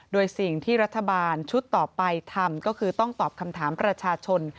โดยสิ่งที่รัฐบาลชุดต่อไปทำก็คือต้องตอบคำถามประชาชน